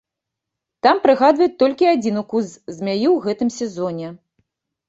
Там прыгадваюць толькі адзін укус змяі ў гэтым сезоне.